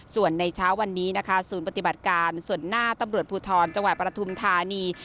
ส่วนในเช้าวันนี้สูญปฏิบัติการส่วนหน้าตำรวจภูทรจวายประธุมธานี